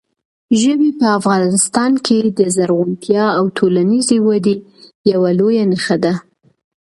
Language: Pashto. ژبې په افغانستان کې د زرغونتیا او ټولنیزې ودې یوه لویه نښه ده.